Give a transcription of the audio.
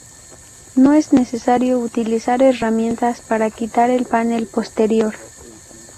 No es necesario utilizar herramientas para quitar el panel posterior.